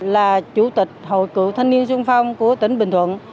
là chủ tịch hội cựu thanh niên sung phong của tỉnh bình thuận